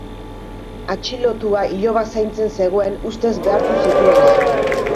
Atxilotua ilobak zaintzen zegoen ustez behartu zituenean.